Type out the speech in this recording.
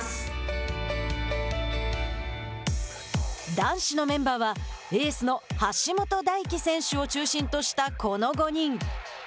男子のメンバーはエースの橋本大輝選手を中心としたこの５人。